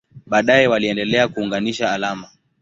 Baadaye waliendelea kuunganisha alama.